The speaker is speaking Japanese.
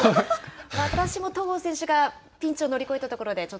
私も戸郷選手ピンチを乗り越えたところで。